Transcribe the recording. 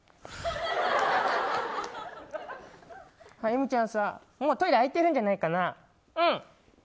えみちゃんさもうトイレ空いてるんじゃないかな。